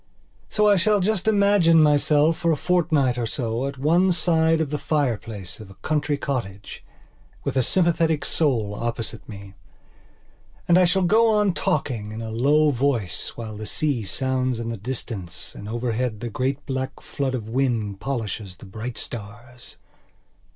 So I shall just imagine myself for a fortnight or so at one side of the fireplace of a country cottage, with a sympathetic soul opposite me. And I shall go on talking, in a low voice while the sea sounds in the distance and overhead the great black flood of wind polishes the bright stars.